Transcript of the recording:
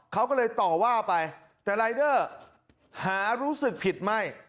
เขาก็เลยต่อว่าไปแต่รายเดอร์หารู้สึกผิดไม่